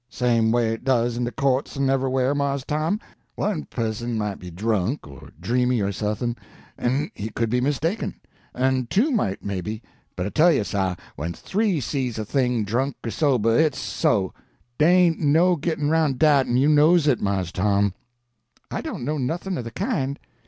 "Same way it does in de courts en everywheres, Mars Tom. One pusson might be drunk, or dreamy or suthin', en he could be mistaken; en two might, maybe; but I tell you, sah, when three sees a thing, drunk er sober, it's so. Dey ain't no gittin' aroun' dat, en you knows it, Mars Tom." "I don't know nothing of the kind.